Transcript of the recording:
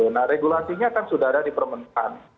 nah regulasinya kan sudah ada di permintaan